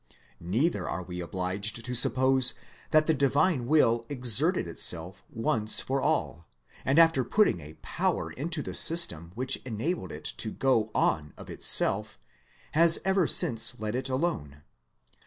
Neither are we obliged to suppose that the divine will exerted itself once for all, and after putting a power into the system which enabled it to go on of itself, has ever since let it alone.